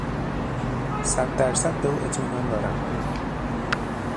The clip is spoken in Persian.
صد در صد به او اطمینان دارم.